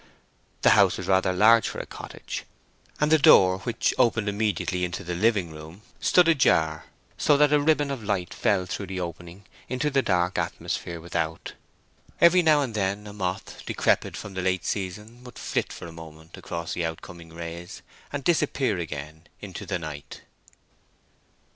The house was rather large for a cottage, and the door, which opened immediately into the living room, stood ajar, so that a ribbon of light fell through the opening into the dark atmosphere without. Every now and then a moth, decrepit from the late season, would flit for a moment across the out coming rays and disappear again into the night.